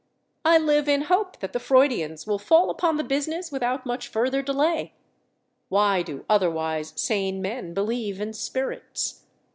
I live in hope that the Freudians will fall upon the business without much further delay. Why do otherwise sane men believe in spirits?